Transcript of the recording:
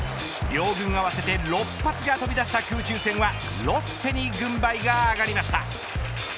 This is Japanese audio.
両軍合わせて６発が飛び出した空中戦はロッテに軍配が上がりました。